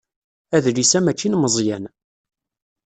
Adlis-a mačči n Meẓyan.